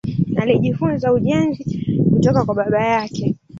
Alijifunza ujenzi kutoka kwa baba yake.